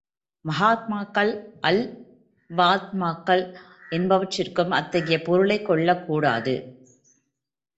மகாத்மாக்கள், அல்பாத்மாக்கள் என்பவற்றிற்கும் அத்தகைய பொருளைக் கொள்ளக்கூடாது.